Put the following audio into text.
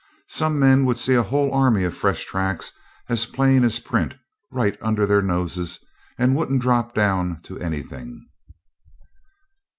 Some men would see a whole army of fresh tracks, as plain as print, right under their noses and wouldn't drop down to anything.